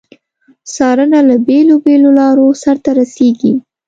څارنه له بیلو بېلو لارو سرته رسیږي.